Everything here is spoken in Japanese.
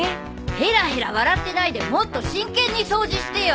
ヘラヘラ笑ってないでもっと真剣に掃除してよ！